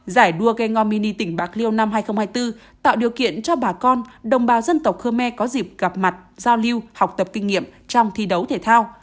giải đua gho mini tỉnh bạc liêu năm hai nghìn hai mươi bốn tạo điều kiện cho bà con đồng bào dân tộc khơ me có dịp gặp mặt giao lưu học tập kinh nghiệm trong thi đấu thể thao